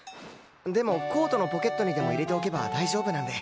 でもコートのポケットにでも入れておけば大丈夫なんで。